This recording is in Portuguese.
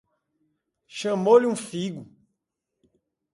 Chamou-lhe um figo.